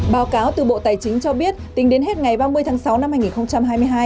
báo cáo từ bộ tài chính cho biết tính đến hết ngày ba mươi tháng sáu năm hai nghìn hai mươi hai